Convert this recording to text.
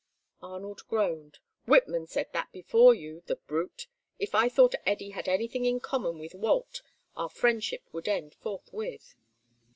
Arnold groaned. "Whitman said that before you, the brute. If I thought Eddy had anything in common with Walt, our friendship would end forthwith."